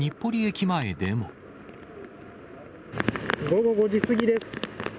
午後５時過ぎです。